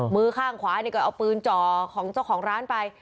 มือข้างขวานี่ก็เอาปืนจ่อของเจ้าของร้านไป